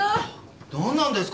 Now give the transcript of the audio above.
なんなんですか？